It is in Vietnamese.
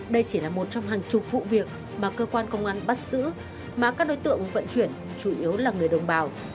đây chỉ là một trong hàng chục vụ việc mà cơ quan công an bắt giữ mà các đối tượng vận chuyển chủ yếu là người đồng bào